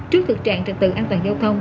trước thực trạng trật tự an toàn giao thông